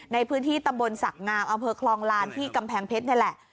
ในพื้นที่ตำบลศักดิ์งามอำเภอคลองลานที่กำแพงเพชรนี่แหละ